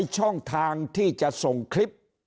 ช่องทางที่จะส่งคลิป